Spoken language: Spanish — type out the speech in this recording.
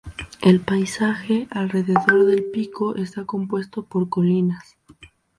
El paisaje alrededor del pico está compuesto por colinas.